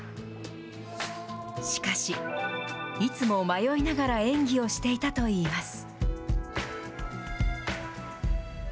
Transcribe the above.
しかし、いつも迷いながら演技をしていたといいます。